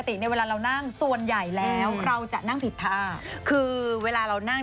ยยยยยนะกับอย่างสร้างงานแล้วก็ส่งมาได้เช่นเดียวกันค่ะตามไปใน